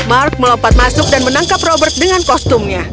mark melompat masuk dan menangkap robert dengan kostumnya